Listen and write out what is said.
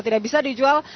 tidak bisa dijual